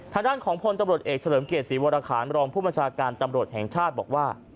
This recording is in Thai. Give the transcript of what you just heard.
ทางด้านของพลตำรวจเอกเฉลิมเกียรติศรีวรคารรองผู้บัญชาการตำรวจแห่งชาติบอกว่า